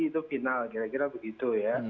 itu final kira kira begitu ya